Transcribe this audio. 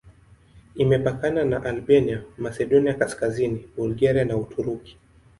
Imepakana na Albania, Masedonia Kaskazini, Bulgaria na Uturuki.